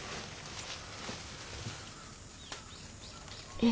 え